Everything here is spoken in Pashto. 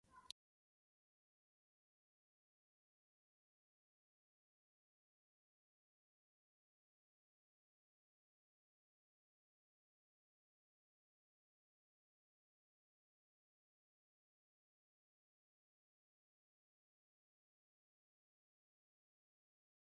مسلمانانو یې د پیرانو په غولولو نه کېدل.